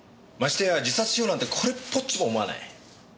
ましてや自殺しようなんてこれっぽっちも思わない。